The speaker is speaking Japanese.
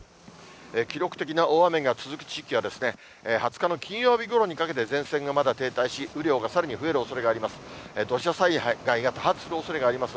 記録的な大雨が続く地域は、２０日の金曜日ごろにかけて前線がまだ停滞し、雨量がさらに増えるおそれがあります。